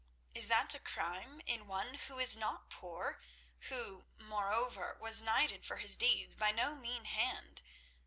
Is that a crime, in one who is not poor, who, moreover, was knighted for his deeds by no mean hand?